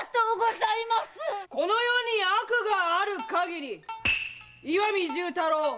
この世に悪があるかぎり岩見重太郎